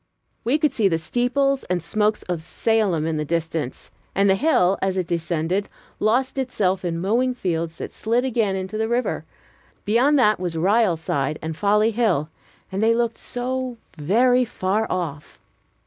We could see the steeples and smokes of Salem in the distance, and the bill, as it descended, lost itself in mowing fields that slid again into the river. Beyond that was Rial Side and Folly Hill, and they looked so very far off!